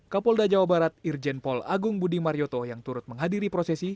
kapolda jawa barat irjen paul agung budi marioto yang turut menghadiri prosesi